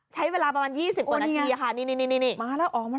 ใช้เวลาประมาณ๒๐กว่านาทีค่ะ